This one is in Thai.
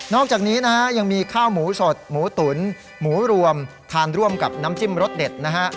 อกจากนี้นะฮะยังมีข้าวหมูสดหมูตุ๋นหมูรวมทานร่วมกับน้ำจิ้มรสเด็ดนะฮะ